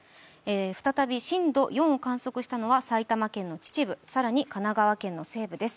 再び震度４を観測したのは埼玉県の秩父、更に神奈川県の西部です。